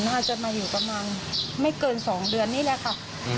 น่าจะมาอยู่ประมาณไม่เกิน๒เดือนนี่แหละค่ะ